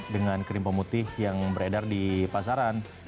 dengan krim pemutih yang beredar di pasaran